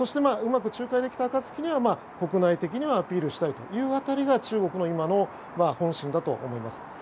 うまく仲介できた暁には国内的にはアピールしたいという辺りが中国の今の本心だと思います。